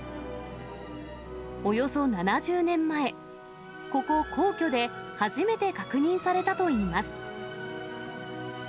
およそ７０年前、ここ、皇居で初めて確認されたといいます。